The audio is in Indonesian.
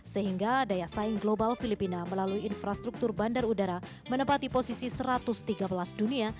sehingga daya saing global filipina melalui infrastruktur bandar udara menempati posisi satu ratus tiga belas dunia